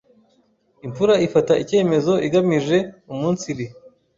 imfura ifata icyemezo igamije uumunsiri